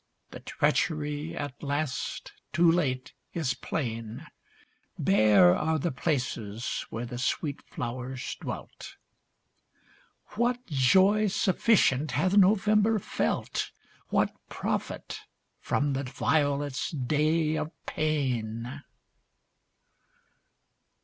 The treachery, at last, too late, is plain; Bare are the places where the sweet flowers dwelt. What joy sufficient hath November felt? What profit from the violet's day of pain?